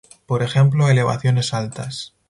Por ejemplo a elevaciones altas.